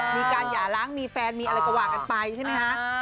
หย่าล้างมีแฟนมีอะไรก็ว่ากันไปใช่ไหมคะ